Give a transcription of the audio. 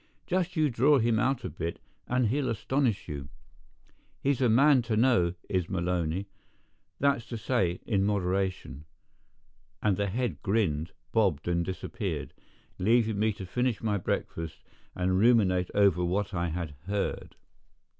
Just you draw him out a bit, and he'll astonish you. He's a man to know, is Maloney; that's to say, in moderation;" and the head grinned, bobbed, and disappeared, leaving me to finish my breakfast and ruminate over what I had heard.